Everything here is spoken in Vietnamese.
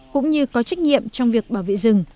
cũng như có trách nhiệm trong việc bảo vệ rừng